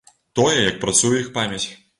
Тое, як працуе іх памяць.